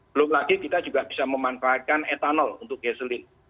belum lagi kita juga bisa memanfaatkan etanol untuk geselin